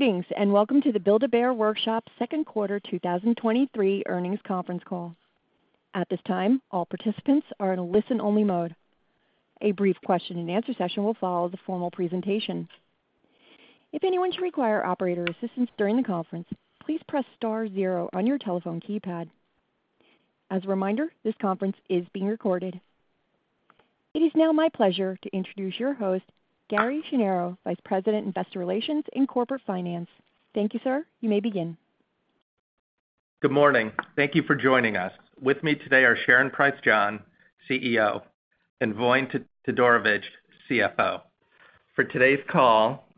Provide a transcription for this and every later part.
Greetings, and welcome to the Build-A-Bear Workshop second quarter 2023 earnings conference call. At this time, all participants are in a listen-only mode. A brief question-and-answer session will follow the formal presentation. If anyone should require operator assistance during the conference, please press star zero on your telephone keypad. As a reminder, this conference is being recorded. It is now my pleasure to introduce your host, Gary Schnierow, Vice President, Investor Relations and Corporate Finance. Thank you, sir. You may begin. Good morning. Thank you for joining us. With me today are Sharon Price John, CEO, and Voin Todorovic, CFO. For today's call,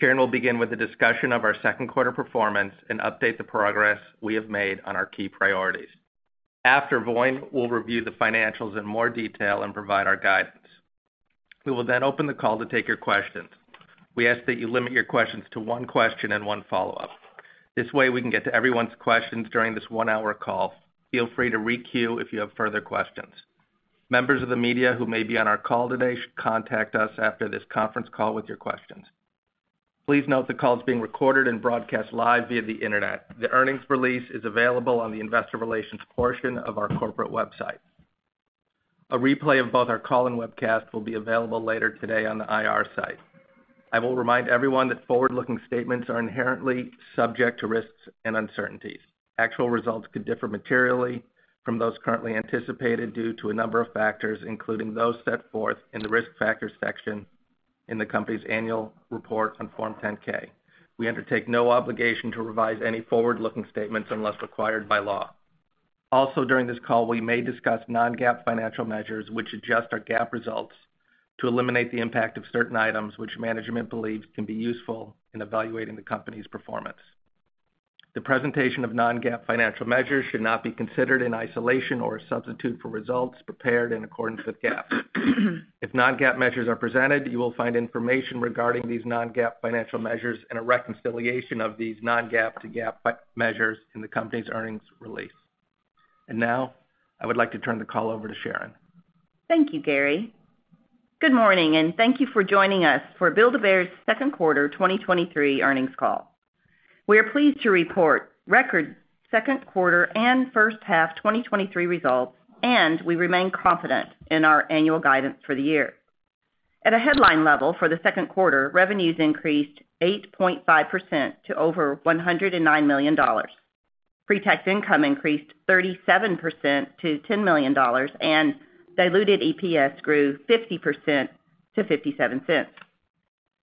Sharon will begin with a discussion of our second quarter performance and update the progress we have made on our key priorities. After Voin will review the financials in more detail and provide our guidance. We will then open the call to take your questions. We ask that you limit your questions to one question and one follow-up. This way, we can get to everyone's questions during this one-hour call. Feel free to re-queue if you have further questions. Members of the media who may be on our call today should contact us after this conference call with your questions. Please note the call is being recorded and broadcast live via the Internet. The earnings release is available on the investor relations portion of our corporate website. A replay of both our call and webcast will be available later today on the IR site. I will remind everyone that forward-looking statements are inherently subject to risks and uncertainties. Actual results could differ materially from those currently anticipated due to a number of factors, including those set forth in the Risk Factors section in the company's annual report on Form 10-K. We undertake no obligation to revise any forward-looking statements unless required by law. Also, during this call, we may discuss non-GAAP financial measures, which adjust our GAAP results to eliminate the impact of certain items, which management believes can be useful in evaluating the company's performance. The presentation of non-GAAP financial measures should not be considered in isolation or a substitute for results prepared in accordance with GAAP. If non-GAAP measures are presented, you will find information regarding these non-GAAP financial measures and a reconciliation of these non-GAAP to GAAP measures in the company's earnings release. And now, I would like to turn the call over to Sharon. Thank you, Gary. Good morning, and thank you for joining us for Build-A-Bear's second quarter 2023 earnings call. We are pleased to report record second quarter and first half 2023 results, and we remain confident in our annual guidance for the year. At a headline level, for the second quarter, revenues increased 8.5% to over $109 million. Pre-tax income increased 37% to $10 million, and diluted EPS grew 50% to $0.57.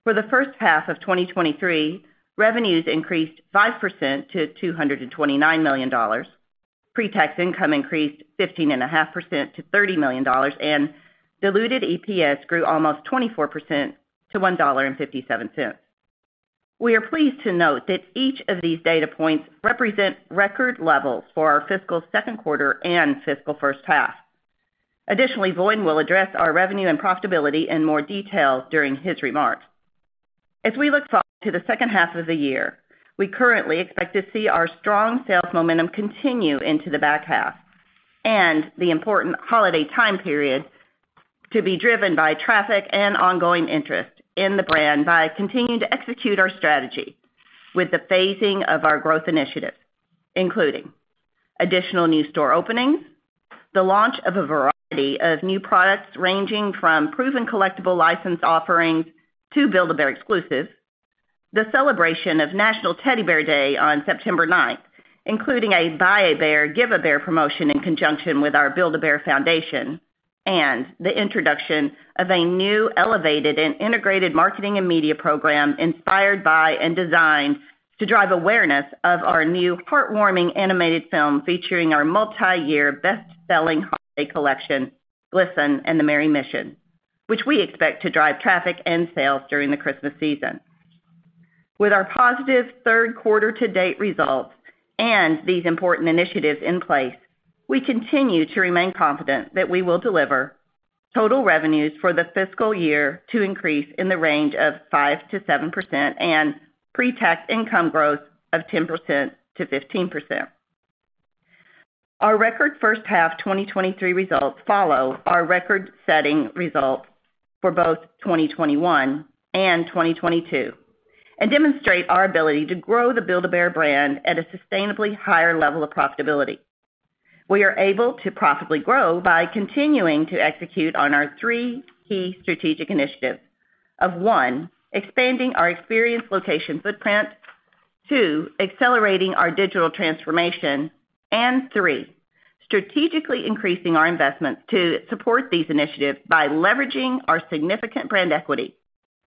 For the first half of 2023, revenues increased 5% to $229 million. Pre-tax income increased 15.5% to $30 million, and diluted EPS grew almost 24% to $1.57. We are pleased to note that each of these data points represent record levels for our fiscal second quarter and fiscal first half. Additionally, Voin will address our revenue and profitability in more detail during his remarks. As we look forward to the second half of the year, we currently expect to see our strong sales momentum continue into the back half and the important holiday time period to be driven by traffic and ongoing interest in the brand by continuing to execute our strategy with the phasing of our growth initiatives, including additional new store openings, the launch of a variety of new products, ranging from proven collectible license offerings to Build-A-Bear exclusives, the celebration of National Teddy Bear Day on September ninth, including a Buy a Bear, Give a Bear promotion in conjunction with our Build-A-Bear Foundation, and the introduction of a new, elevated, and integrated marketing and media program inspired by and designed to drive awareness of our new heartwarming animated film featuring our multi-year best-selling holiday collection, Glisten and the Merry Mission, which we expect to drive traffic and sales during the Christmas season. With our positive third quarter to date results and these important initiatives in place, we continue to remain confident that we will deliver total revenues for the fiscal year to increase in the range of 5%-7% and pre-tax income growth of 10%-15%. Our record first half 2023 results follow our record-setting results for both 2021 and 2022, and demonstrate our ability to grow the Build-A-Bear brand at a sustainably higher level of profitability. We are able to profitably grow by continuing to execute on our three key strategic initiatives of, one, expanding our experience location footprint, two, accelerating our digital transformation, and three, strategically increasing our investments to support these initiatives by leveraging our significant brand equity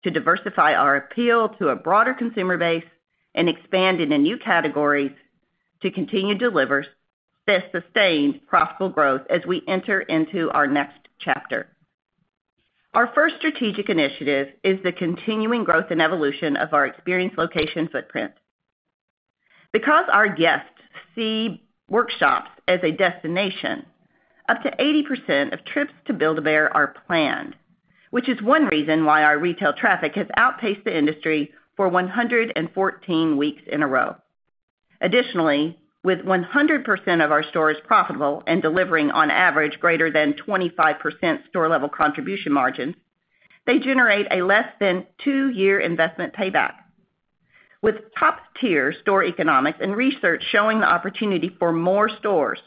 to diversify our appeal to a broader consumer base and expand into new categories to continue to deliver this sustained, profitable growth as we enter into our next chapter. Our first strategic initiative is the continuing growth and evolution of our experience location footprint. Because our guests see workshops as a destination, up to 80% of trips to Build-A-Bear are planned, which is one reason why our retail traffic has outpaced the industry for 114 weeks in a row.... Additionally, with 100% of our stores profitable and delivering on average greater than 25% store level contribution margins, they generate a less than two-year investment payback. With top-tier store economics and research showing the opportunity for more stores,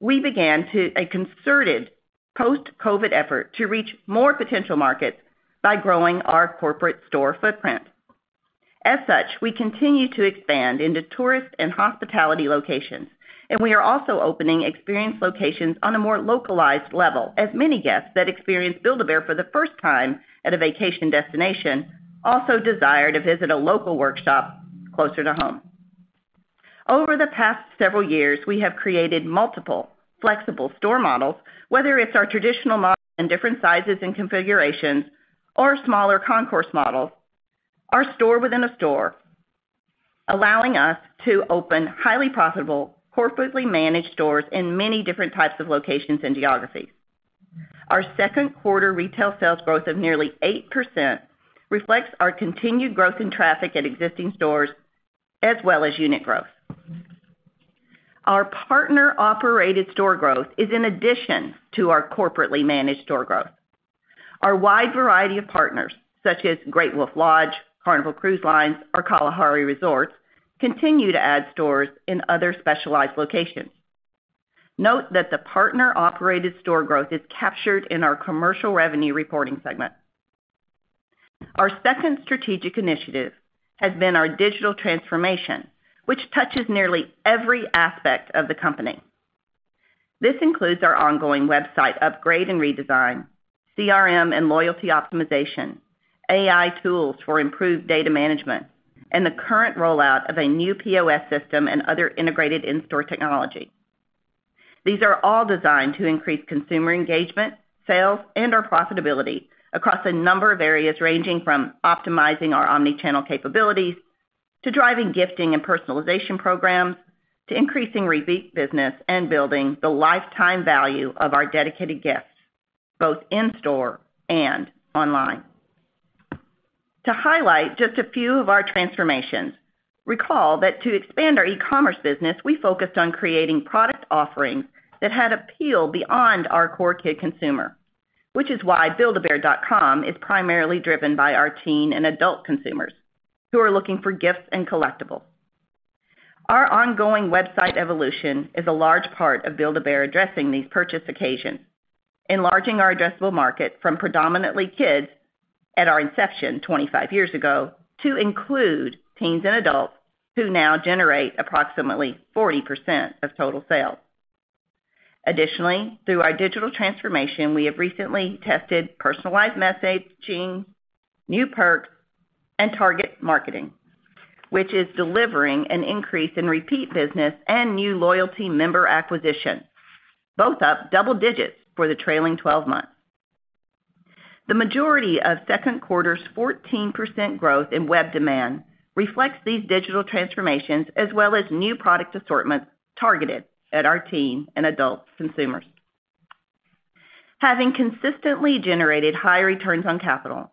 we began a concerted post-COVID effort to reach more potential markets by growing our corporate store footprint. As such, we continue to expand into tourist and hospitality locations, and we are also opening experience locations on a more localized level, as many guests that experience Build-A-Bear for the first time at a vacation destination also desire to visit a local workshop closer to home. Over the past several years, we have created multiple flexible store models, whether it's our traditional model in different sizes and configurations or smaller concourse models. Our store within a store, allowing us to open highly profitable, corporately managed stores in many different types of locations and geographies. Our second quarter retail sales growth of nearly 8% reflects our continued growth in traffic at existing stores as well as unit growth. Our partner-operated store growth is in addition to our corporately managed store growth. Our wide variety of partners, such as Great Wolf Lodge, Carnival Cruise Lines, or Kalahari Resorts, continue to add stores in other specialized locations. Note that the partner-operated store growth is captured in our commercial revenue reporting segment. Our second strategic initiative has been our digital transformation, which touches nearly every aspect of the company. This includes our ongoing website upgrade and redesign, CRM and loyalty optimization, AI tools for improved data management, and the current rollout of a new POS system and other integrated in-store technology. These are all designed to increase consumer engagement, sales, and our profitability across a number of areas, ranging from optimizing our omni-channel capabilities, to driving gifting and personalization programs, to increasing repeat business and building the lifetime value of our dedicated guests, both in store and online. To highlight just a few of our transformations, recall that to expand our e-commerce business, we focused on creating product offerings that had appeal beyond our core kid consumer. Which is why buildabear.com is primarily driven by our teen and adult consumers who are looking for gifts and collectibles. Our ongoing website evolution is a large part of Build-A-Bear addressing these purchase occasions, enlarging our addressable market from predominantly kids at our inception 25 years ago, to include teens and adults, who now generate approximately 40% of total sales. Additionally, through our digital transformation, we have recently tested personalized messaging, new perk, and target marketing, which is delivering an increase in repeat business and new loyalty member acquisition, both up double digits for the trailing twelve months. The majority of second quarter's 14% growth in web demand reflects these digital transformations, as well as new product assortments targeted at our teen and adult consumers. Having consistently generated high returns on capital,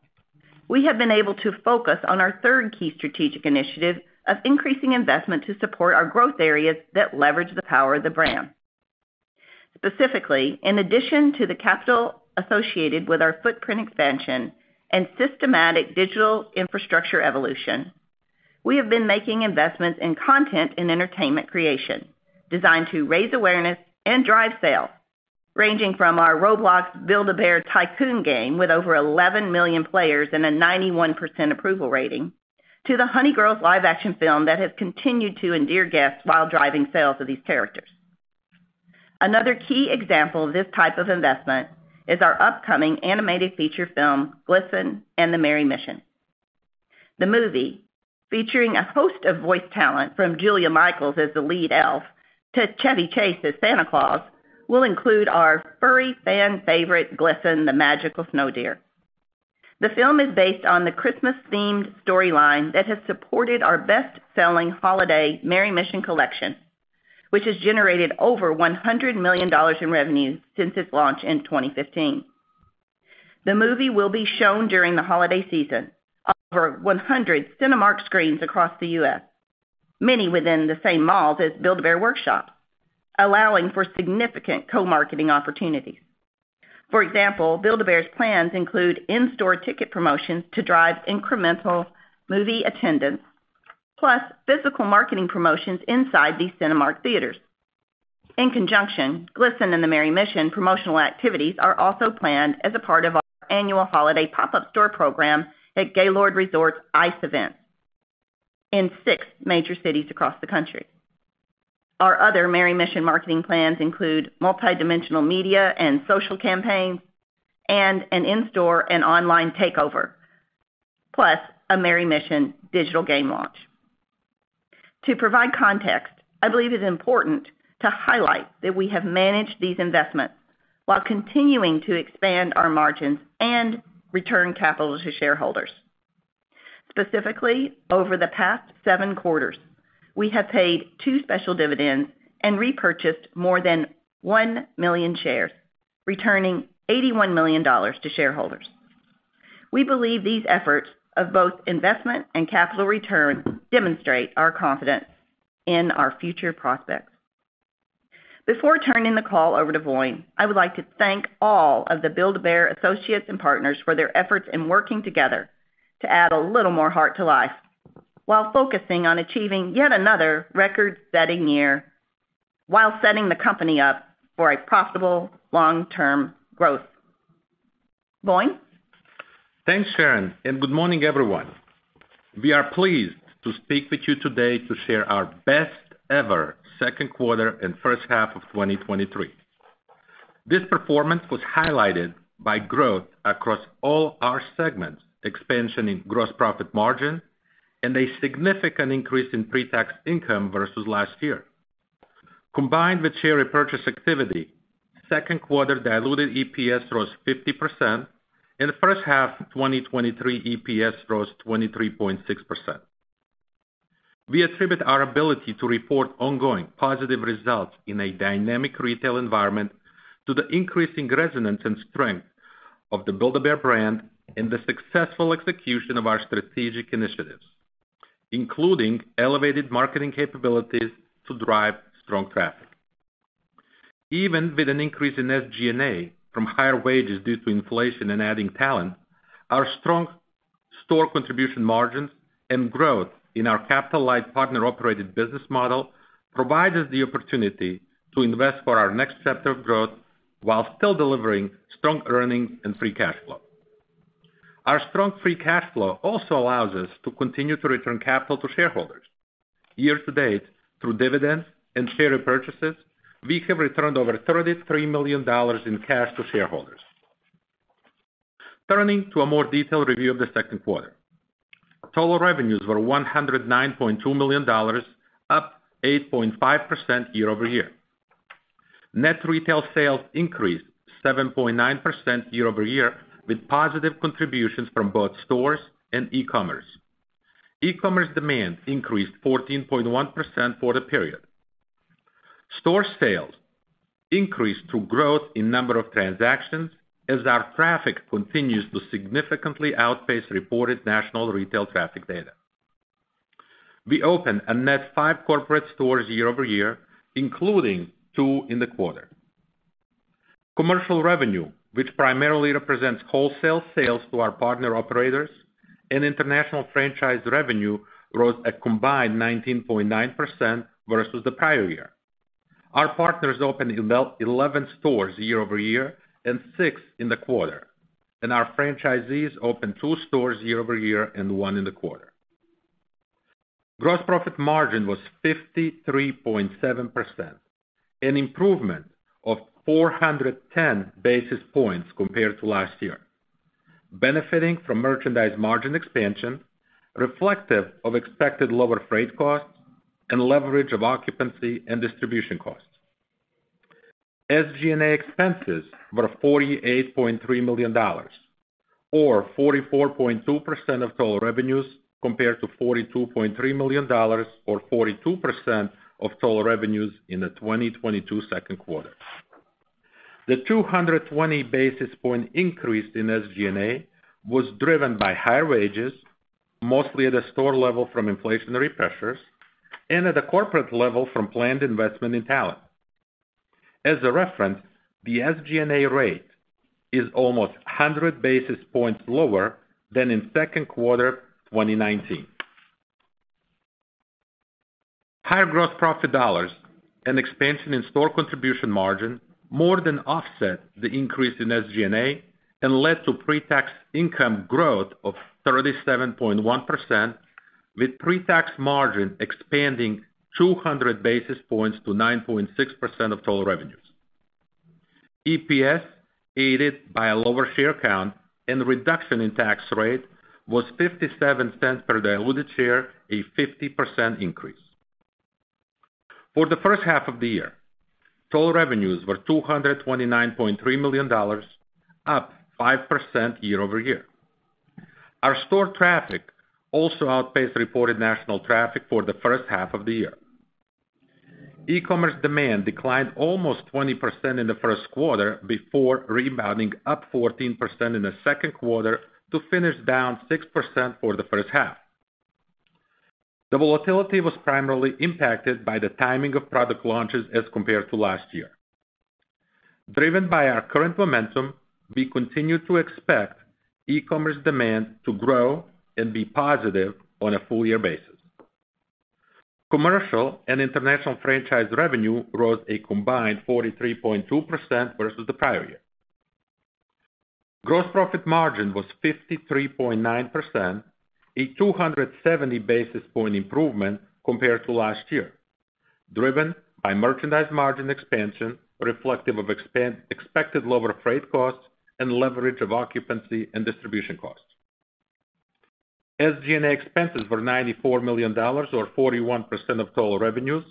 we have been able to focus on our third key strategic initiative of increasing investment to support our growth areas that leverage the power of the brand. Specifically, in addition to the capital associated with our footprint expansion and systematic digital infrastructure evolution, we have been making investments in content and entertainment creation designed to raise awareness and drive sales, ranging from our Roblox Build-A-Bear Tycoon game with over 11 million players and a 91% approval rating, to the Honey Girls live action film that has continued to endear guests while driving sales of these characters. Another key example of this type of investment is our upcoming animated feature film, Glisten and the Merry Mission. The movie, featuring a host of voice talent from Julia Michaels as the lead elf to Chevy Chase as Santa Claus, will include our furry fan favorite, Glisten, the magical snow deer. The film is based on the Christmas-themed storyline that has supported our best-selling holiday Merry Mission collection, which has generated over $100 million in revenue since its launch in 2015. The movie will be shown during the holiday season over 100 Cinemark screens across the US, many within the same malls as Build-A-Bear Workshop, allowing for significant co-marketing opportunities. For example, Build-A-Bear's plans include in-store ticket promotions to drive incremental movie attendance, plus physical marketing promotions inside these Cinemark theaters. In conjunction, Glisten and the Merry Mission promotional activities are also planned as a part of our annual holiday pop-up store program at Gaylord Resorts Ice events in six major cities across the country. Our other Merry Mission marketing plans include multidimensional media and social campaigns, and an in-store and online takeover, plus a Merry Mission digital game launch. To provide context, I believe it's important to highlight that we have managed these investments while continuing to expand our margins and return capital to shareholders. Specifically, over the past 7 quarters, we have paid 2 special dividends and repurchased more than 1 million shares, returning $81 million to shareholders. We believe these efforts of both investment and capital return demonstrate our confidence in our future prospects. Before turning the call over to Voin, I would like to thank all of the Build-A-Bear associates and partners for their efforts in working together to add a little more heart to life, while focusing on achieving yet another record-setting year, while setting the company up for a profitable long-term growth. Voin? Thanks, Sharon, and good morning, everyone. We are pleased to speak with you today to share our best ever second quarter and first half of 2023. This performance was highlighted by growth across all our segments, expansion in gross profit margin, and a significant increase in pre-tax income versus last year. Combined with share repurchase activity, second quarter diluted EPS rose 50%, and the first half of 2023, EPS rose 23.6%. We attribute our ability to report ongoing positive results in a dynamic retail environment to the increasing resonance and strength of the Build-A-Bear brand and the successful execution of our strategic initiatives, including elevated marketing capabilities to drive strong traffic. Even with an increase in SG&A from higher wages due to inflation and adding talent, our strong store contribution margins and growth in our capital-light partner-operated business model, provides us the opportunity to invest for our next chapter of growth while still delivering strong earnings and free cash flow. Our strong free cash flow also allows us to continue to return capital to shareholders. Year-to-date, through dividends and share repurchases, we have returned over $33 million in cash to shareholders. Turning to a more detailed review of the second quarter. Total revenues were $109.2 million, up 8.5% year-over-year. Net retail sales increased 7.9% year-over-year, with positive contributions from both stores and e-commerce. E-commerce demand increased 14.1% for the period. Store sales increased through growth in number of transactions, as our traffic continues to significantly outpace reported national retail traffic data. We opened a net 5 corporate stores year-over-year, including 2 in the quarter. Commercial revenue, which primarily represents wholesale sales to our partner operators and international franchise revenue, rose a combined 19.9% versus the prior year. Our partners opened 11 stores year-over-year and 6 in the quarter, and our franchisees opened 2 stores year-over-year and 1 in the quarter. Gross profit margin was 53.7%, an improvement of 410 basis points compared to last year, benefiting from merchandise margin expansion, reflective of expected lower freight costs and leverage of occupancy and distribution costs. SG&A expenses were $48.3 million, or 44.2% of total revenues, compared to $42.3 million, or 42% of total revenues in the 2022 second quarter. The 220 basis point increase in SG&A was driven by higher wages, mostly at a store level from inflationary pressures and at a corporate level from planned investment in talent. As a reference, the SG&A rate is almost 100 basis points lower than in second quarter 2019. Higher gross profit dollars and expansion in store contribution margin more than offset the increase in SG&A and led to pre-tax income growth of 37.1%, with pre-tax margin expanding 200 basis points to 9.6% of total revenues. EPS, aided by a lower share count and reduction in tax rate, was $0.57 per diluted share, a 50% increase. For the first half of the year, total revenues were $229.3 million, up 5% year-over-year. Our store traffic also outpaced reported national traffic for the first half of the year. E-commerce demand declined almost 20% in the first quarter before rebounding up 14% in the second quarter to finish down 6% for the first half. The volatility was primarily impacted by the timing of product launches as compared to last year. Driven by our current momentum, we continue to expect e-commerce demand to grow and be positive on a full year basis. Commercial and international franchise revenue rose a combined 43.2% versus the prior year. Gross profit margin was 53.9%, a 270 basis points improvement compared to last year, driven by merchandise margin expansion, reflective of expected lower freight costs and leverage of occupancy and distribution costs. SG&A expenses were $94 million, or 41% of total revenues,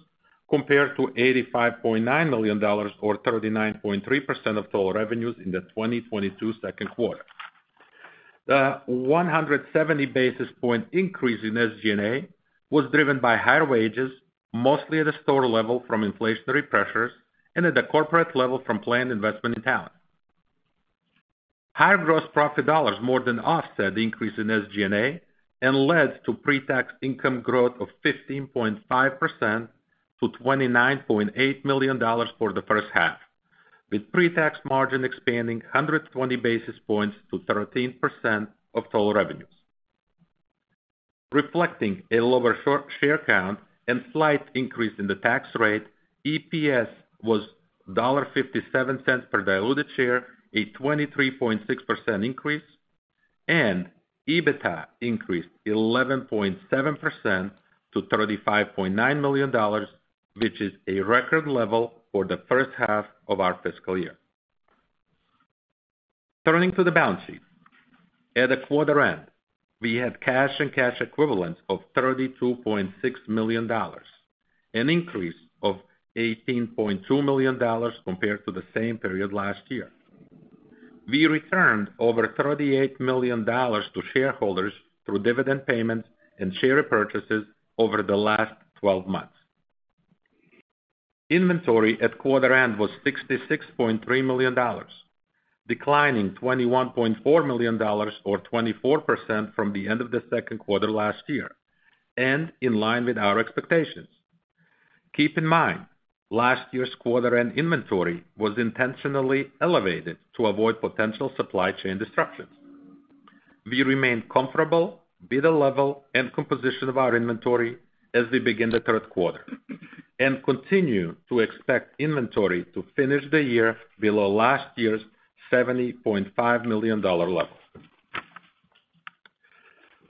compared to $85.9 million or 39.3% of total revenues in the 2022 second quarter. The 170 basis points increase in SG&A was driven by higher wages, mostly at a store level from inflationary pressures and at the corporate level from planned investment in talent. Higher gross profit dollars more than offset the increase in SG&A and led to pre-tax income growth of 15.5% to $29.8 million for the first half, with pre-tax margin expanding 120 basis points to 13% of total revenues. Reflecting a lower share count and slight increase in the tax rate, EPS was $1.57 per diluted share, a 23.6% increase, and EBITDA increased 11.7% to $35.9 million, which is a record level for the first half of our fiscal year. Turning to the balance sheet. At the quarter end, we had cash and cash equivalents of $32.6 million, an increase of $18.2 million compared to the same period last year. We returned over $38 million to shareholders through dividend payments and share repurchases over the last 12 months. Inventory at quarter end was $66.3 million, declining $21.4 million or 24% from the end of the second quarter last year, and in line with our expectations. Keep in mind, last year's quarter-end inventory was intentionally elevated to avoid potential supply chain disruptions. We remain comfortable with the level and composition of our inventory as we begin the third quarter, and continue to expect inventory to finish the year below last year's $70.5 million level.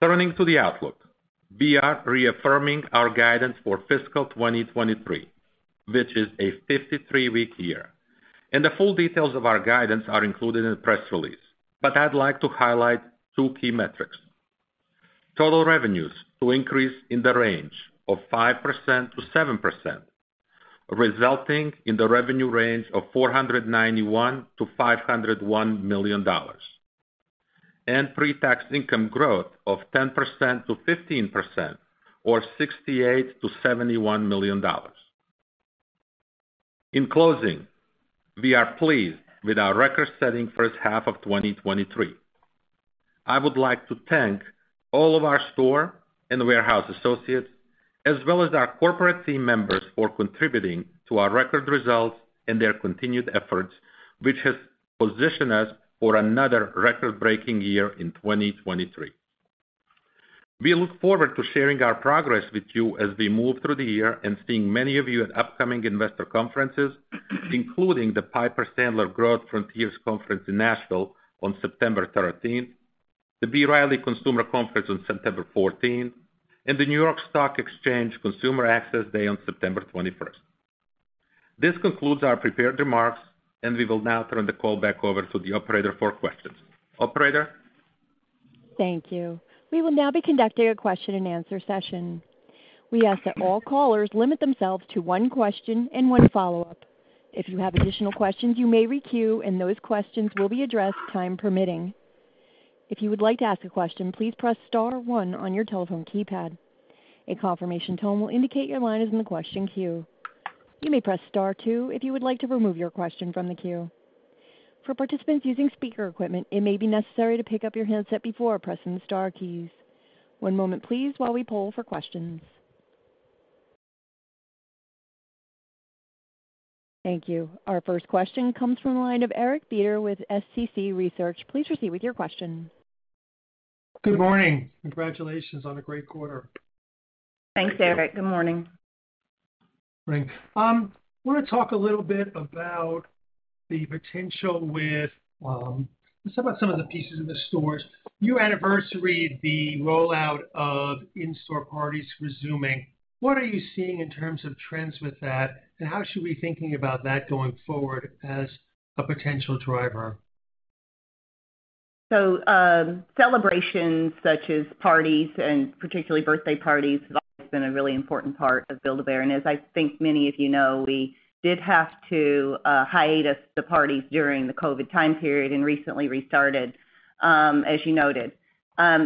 Turning to the outlook, we are reaffirming our guidance for fiscal 2023, which is a 53-week year, and the full details of our guidance are included in the press release, but I'd like to highlight two key metrics. Total revenues will increase in the range of 5%-7%, resulting in the revenue range of $491 million-$501 million, and pre-tax income growth of 10%-15%, or $68 million-$71 million. In closing, we are pleased with our record-setting first half of 2023. I would like to thank all of our store and warehouse associates, as well as our corporate team members for contributing to our record results and their continued efforts, which has positioned us for another record-breaking year in 2023. We look forward to sharing our progress with you as we move through the year and seeing many of you at upcoming investor conferences, including the Piper Sandler Growth Frontiers Conference in Nashville on September 13th, the B. Riley Consumer Conference on September 14th, and the New York Stock Exchange Consumer Access Day on September 21st. This concludes our prepared remarks, and we will now turn the call back over to the operator for questions. Operator? Thank you. We will now be conducting a question-and-answer session. We ask that all callers limit themselves to one question and one follow-up. If you have additional questions, you may requeue, and those questions will be addressed, time permitting. If you would like to ask a question, please press star one on your telephone keypad. A confirmation tone will indicate your line is in the question queue. You may press star two if you would like to remove your question from the queue. For participants using speaker equipment, it may be necessary to pick up your handset before pressing the star keys. One moment please, while we poll for questions. Thank you. Our first question comes from the line of Eric Beder with Small Cap Consumer Research. Please proceed with your question. Good morning. Congratulations on a great quarter. Thanks, Eric. Good morning. Great. I want to talk a little bit about the potential with, just about some of the pieces in the stores. You anniversary the rollout of in-store parties resuming. What are you seeing in terms of trends with that, and how should we be thinking about that going forward as a potential driver? Celebrations such as parties and particularly birthday parties have always been a really important part of Build-A-Bear. As I think many of you know, we did have to hiatus the parties during the COVID time period and recently restarted, as you noted.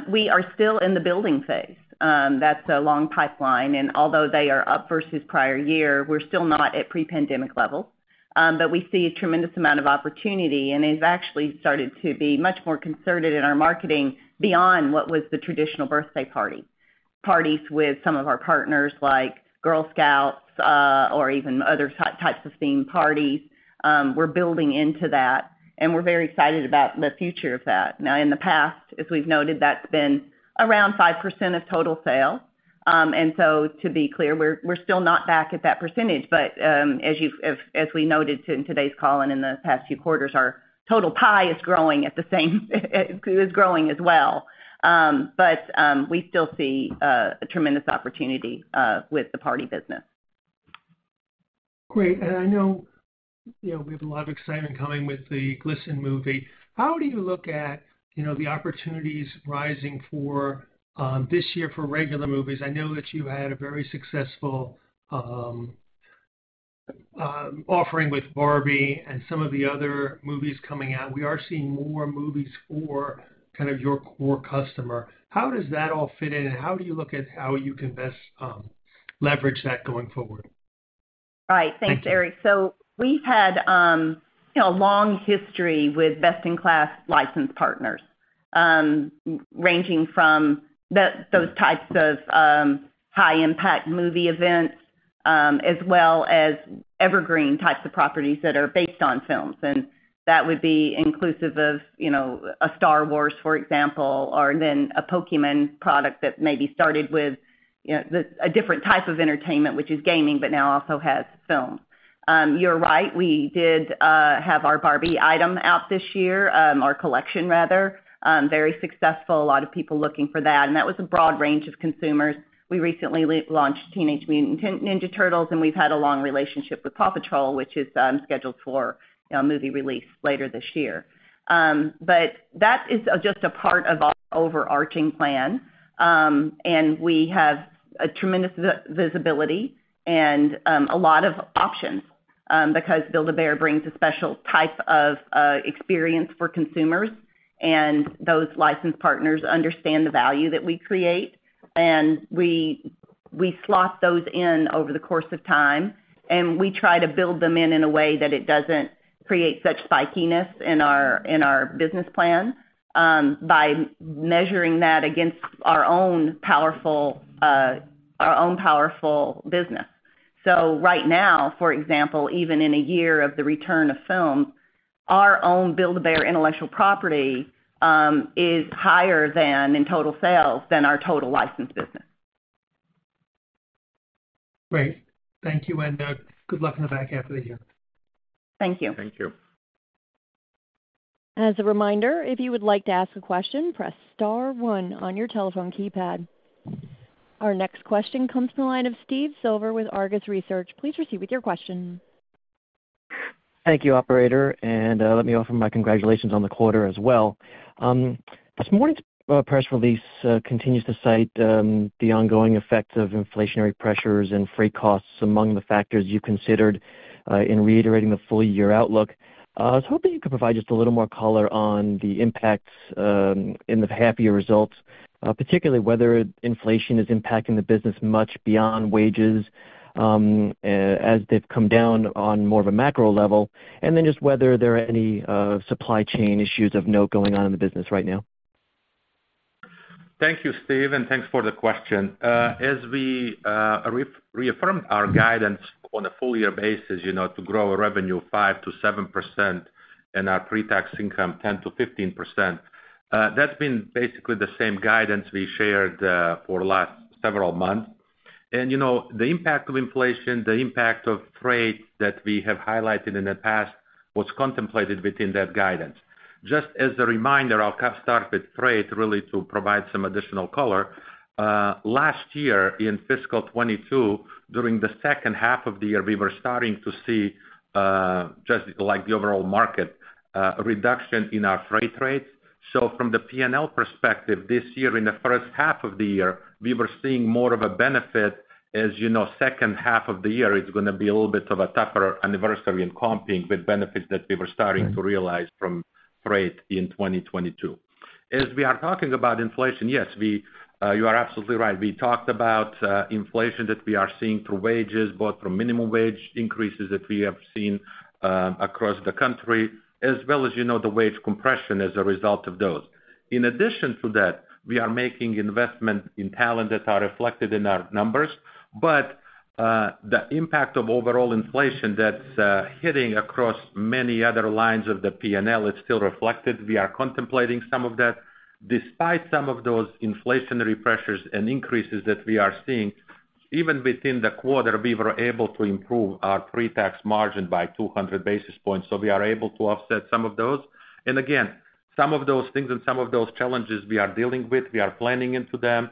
We are still in the building phase. That's a long pipeline, and although they are up versus prior year, we're still not at pre-pandemic levels. We see a tremendous amount of opportunity, and it's actually started to be much more concerted in our marketing beyond what was the traditional birthday party. Parties with some of our partners, like Girl Scouts, or even other types of themed parties. We're building into that, and we're very excited about the future of that. Now, in the past, as we've noted, that's been around 5% of total sales. And so to be clear, we're still not back at that percentage. But, as we noted in today's call and in the past few quarters, our total pie is growing as well. But, we still see a tremendous opportunity with the party business. Great. And I know, you know, we have a lot of excitement coming with the Glisten movie. How do you look at, you know, the opportunities rising for this year for regular movies? I know that you had a very successful offering with Barbie and some of the other movies coming out. We are seeing more movies for kind of your core customer. How does that all fit in, and how do you look at how you can best leverage that going forward? Right. Thanks, Eric. So we've had, you know, a long history with best-in-class licensed partners, ranging from the, those types of, high impact movie events, as well as evergreen types of properties that are based on films. And that would be inclusive of, you know, a Star Wars, for example, or then a Pokémon product that maybe started with, you know, the, a different type of entertainment, which is gaming, but now also has film. You're right, we did have our Barbie item out this year, our collection rather, very successful. A lot of people looking for that, and that was a broad range of consumers. We recently launched Teenage Mutant Ninja Turtles, and we've had a long relationship with Paw Patrol, which is scheduled for a movie release later this year. But that is just a part of our overarching plan. And we have a tremendous visibility and a lot of options, because Build-A-Bear brings a special type of experience for consumers, and those licensed partners understand the value that we create. And we slot those in over the course of time, and we try to build them in a way that it doesn't create such spikiness in our business plan, by measuring that against our own powerful business. So right now, for example, even in a year of the return of film, our own Build-A-Bear intellectual property is higher than in total sales than our total licensed business. Great. Thank you, and good luck in the back half of the year. Thank you. Thank you. As a reminder, if you would like to ask a question, press star one on your telephone keypad. Our next question comes from the line of Steve Silver with Argus Research. Please proceed with your question. Thank you, operator, and let me offer my congratulations on the quarter as well. This morning's press release continues to cite the ongoing effects of inflationary pressures and freight costs among the factors you considered in reiterating the full year outlook. I was hoping you could provide just a little more color on the impacts in the happier results, particularly whether inflation is impacting the business much beyond wages, as they've come down on more of a macro level, and then just whether there are any supply chain issues of note going on in the business right now. Thank you, Steve, and thanks for the question. As we reaffirmed our guidance on a full year basis, you know, to grow our revenue 5%-7% and our pre-tax income 10%-15%, that's been basically the same guidance we shared for the last several months. You know, the impact of inflation, the impact of freight that we have highlighted in the past was contemplated within that guidance. Just as a reminder, I'll kind of start with freight, really, to provide some additional color. Last year, in fiscal 2022, during the second half of the year, we were starting to see, just like the overall market, a reduction in our freight rates. So from the PNL perspective, this year, in the first half of the year, we were seeing more of a benefit. As you know, second half of the year is gonna be a little bit of a tougher anniversary in comping, with benefits that we were starting to realize from freight in 2022. As we are talking about inflation, yes, we, you are absolutely right. We talked about, inflation that we are seeing through wages, both from minimum wage increases that we have seen, across the country, as well as, you know, the wage compression as a result of those. In addition to that, we are making investments in talent that are reflected in our numbers, but, the impact of overall inflation that's, hitting across many other lines of the PNL, it's still reflected. We are contemplating some of that. Despite some of those inflationary pressures and increases that we are seeing, even within the quarter, we were able to improve our pre-tax margin by 200 basis points, so we are able to offset some of those. And again, some of those things and some of those challenges we are dealing with, we are planning into them.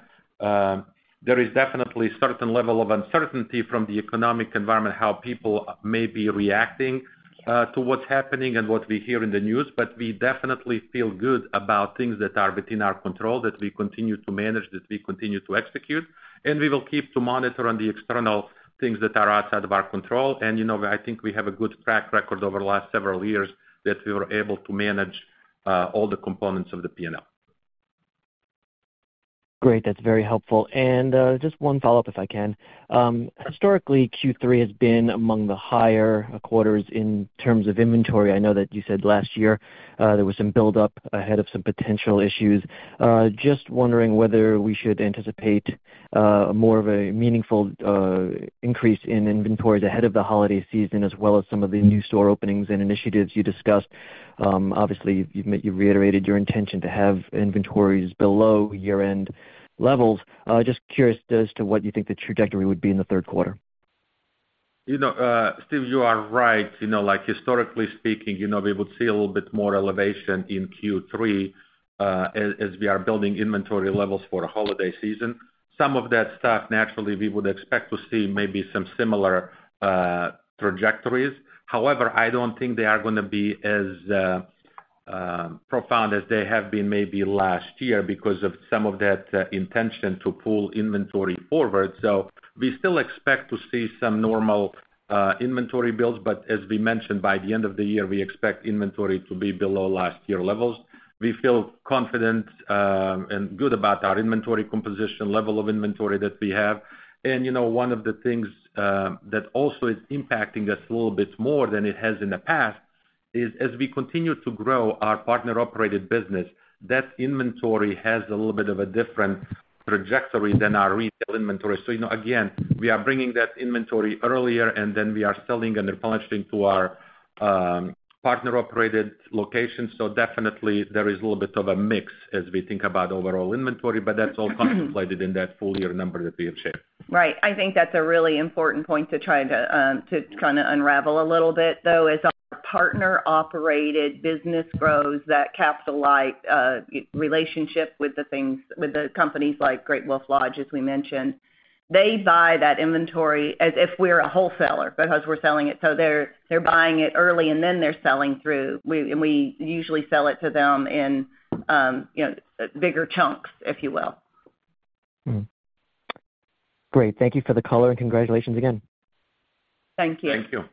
There is definitely a certain level of uncertainty from the economic environment, how people may be reacting, to what's happening and what we hear in the news, but we definitely feel good about things that are within our control, that we continue to manage, that we continue to execute. And we will keep to monitor on the external things that are outside of our control. You know, I think we have a good track record over the last several years that we were able to manage all the components of the PNL. Great, that's very helpful. Just one follow-up, if I can. Historically, Q3 has been among the higher quarters in terms of inventory. I know that you said last year there was some buildup ahead of some potential issues. Just wondering whether we should anticipate more of a meaningful increase in inventories ahead of the holiday season, as well as some of the new store openings and initiatives you discussed. Obviously, you've reiterated your intention to have inventories below year-end levels. Just curious as to what you think the trajectory would be in the third quarter. You know, Steve, you are right. You know, like, historically speaking, you know, we would see a little bit more elevation in Q3, as we are building inventory levels for the holiday season. Some of that stuff, naturally, we would expect to see maybe some similar trajectories. However, I don't think they are gonna be as profound as they have been maybe last year because of some of that intention to pull inventory forward. So we still expect to see some normal inventory builds, but as we mentioned, by the end of the year, we expect inventory to be below last year levels. We feel confident and good about our inventory composition, level of inventory that we have. You know, one of the things that also is impacting us a little bit more than it has in the past is, as we continue to grow our partner-operated business, that inventory has a little bit of a different trajectory than our retail inventory. So, you know, again, we are bringing that inventory earlier, and then we are selling and replenishing to our partner-operated locations. So definitely there is a little bit of a mix as we think about overall inventory, but that's all contemplated in that full year number that we have shared. Right. I think that's a really important point to try to to kind of unravel a little bit, though. As our partner-operated business grows, that capital light relationship with the things, with the companies like Great Wolf Lodge, as we mentioned, they buy that inventory as if we're a wholesaler because we're selling it, so they're, they're buying it early, and then they're selling through. We and we usually sell it to them in, you know, bigger chunks, if you will. Mm-hmm. Great. Thank you for the color, and congratulations again. Thank you. Thank you.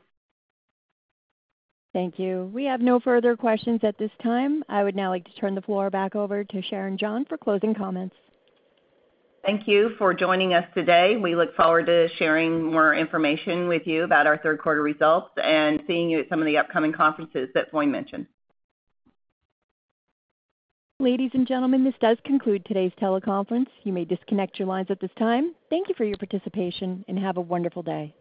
Thank you. We have no further questions at this time. I would now like to turn the floor back over to Sharon Price John for closing comments. Thank you for joining us today. We look forward to sharing more information with you about our third quarter results and seeing you at some of the upcoming conferences that Voin mentioned. Ladies and gentlemen, this does conclude today's teleconference. You may disconnect your lines at this time. Thank you for your participation, and have a wonderful day.